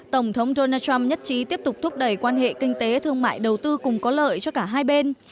tổng thống donald trump nhất trí tiếp tục thúc đẩy quan hệ kinh tế thương mại đầu tư cùng có lợi cho cả hai bên